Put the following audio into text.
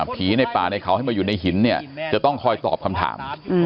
ในป่าในเขาให้มาอยู่ในหินเนี่ยจะต้องคอยตอบคำถาม